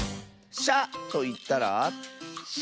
「しゃ」といったら？